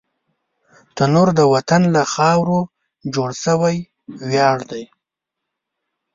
تنور د وطن له خاورو جوړ شوی ویاړ دی